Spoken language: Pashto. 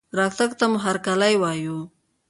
رتګ ته مو هرکلى وايو